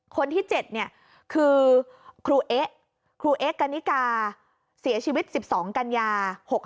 คนที่๗คือครูเอ๊ะครูเอ๊ะกัณฑิกาเสียชีวิต๑๒กันยา๖๕